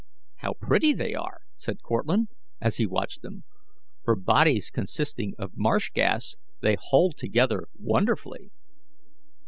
"How pretty they are!" said Cortlandt, as they watched them. "For bodies consisting of marsh gas, they hold together wonderfully."